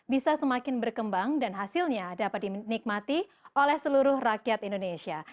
berkembang dan hasilnya dapat dinikmati oleh seluruh rakyat indonesia